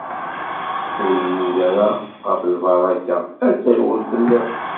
Ur inuda ara ɣef lbaraka: ad terwel fell-as.